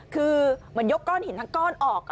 คือเหมือนยกก้อนหินทั้งก้อนออก